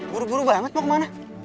buru buru banget mau kemana